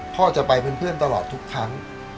พ่อจะไปเพื่อนตลอดทุกครั้ง